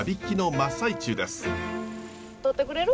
とってくれる？